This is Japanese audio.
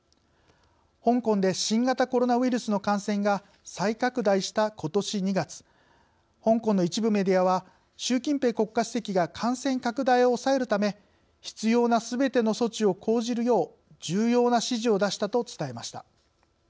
香港で新型コロナウイルスの感染が再拡大した、ことし２月香港の一部メディアは習近平国家主席が感染拡大を抑えるため「必要なすべての措置を講じる」よう、重要な指示を出したと伝えました。